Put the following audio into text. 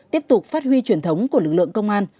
tiếp tục phát huy truyền thống của lực lượng công an